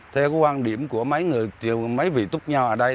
theo quan điểm của mấy vị túc nhau ở đây